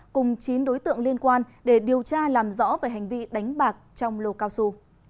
cùng chín đối tượng liên quan để điều tra làm rõ về hành vi đánh bạc trong lô cao su